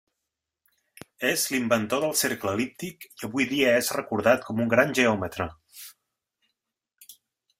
És l'inventor del cercle el·líptic i avui dia és recordat com un gran geòmetra.